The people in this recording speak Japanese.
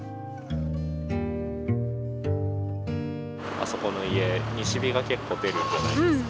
あそこの家西日が結構出るんじゃないですか？